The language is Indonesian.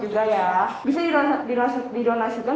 juga ya bisa didonasikan